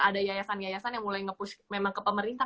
ada yayasan yayasan yang mulai nge push memang ke pemerintah